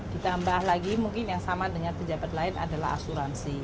ditambah lagi mungkin yang sama dengan pejabat lain adalah asuransi